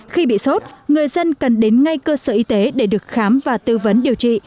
khi bị sốt người dân cần đến ngay cơ sở y tế để được khám và tư vấn điều trị